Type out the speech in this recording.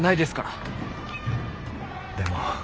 でも。